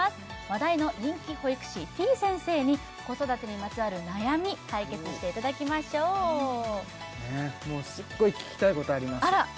話題の人気保育士てぃ先生に子育てにまつわる悩み解決していただきましょうもうすっごい聞きたいことありますてぃ